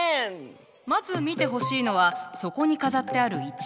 まず見てほしいのはそこに飾ってある一枚の絵。